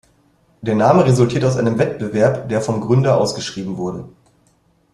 Der Name resultiert aus einem Wettbewerb, der vom Gründer ausgeschrieben wurde.